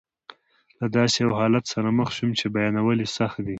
له یو داسې حالت سره مخ شوم چې بیانول یې سخت دي.